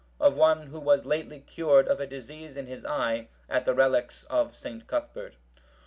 Of one who was lately cured of a disease in his eye at the relics of St. Cuthbert.